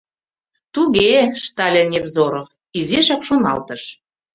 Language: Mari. — Туге-е, — ыштале Невзоров, изишак шоналтыш.